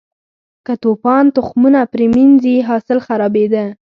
که توپان تخمونه پرې منځي، حاصل خرابېده.